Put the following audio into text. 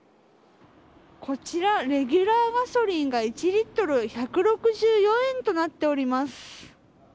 こちら、レギュラーガソリンが１リットル１６４円となっております。